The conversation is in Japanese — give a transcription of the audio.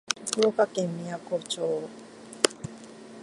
福岡県みやこ町